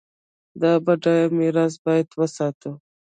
دا بډایه میراث باید وساتو.